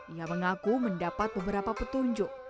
ia mengaku mendapat beberapa petunjuk